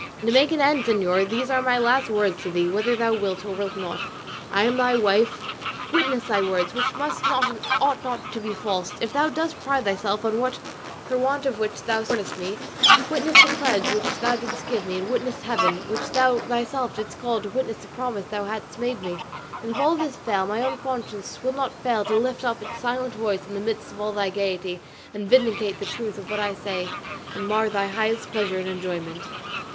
To make an end, señor, these are my last words to thee: whether thou wilt, or wilt not, I am thy wife; witness thy words, which must not and ought not to be false, if thou dost pride thyself on that for want of which thou scornest me; witness the pledge which thou didst give me, and witness Heaven, which thou thyself didst call to witness the promise thou hadst made me; and if all this fail, thy own conscience will not fail to lift up its silent voice in the midst of all thy gaiety, and vindicate the truth of what I say and mar thy highest pleasure and enjoyment."